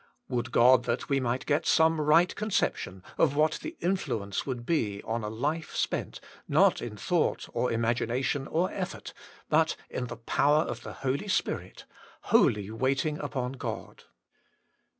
"Would God that we might get some right conception of what the influence would be on a life spent, not in thought, or imagination, or eff'ort, but in the power of the Holy Spirit, wholly waiting upon God.